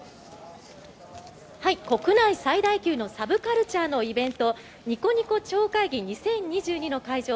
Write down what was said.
国内最大級のサブカルチャーのイベントニコニコ超会議２０２２の会場